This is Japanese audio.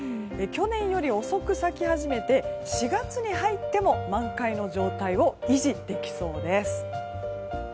去年より遅く咲き始めて４月に入っても満開の状態を維持できそうです。